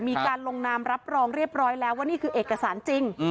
มีการลงนามรับรองเรียบร้อยแล้วว่านี่คือเอกสารจริง